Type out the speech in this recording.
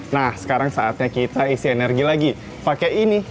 nah sekarang saatnya kita isi energi lagi pakai ini